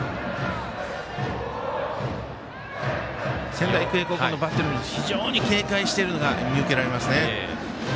仙台育英高校のバッテリーも非常に警戒しているのが見受けられますね。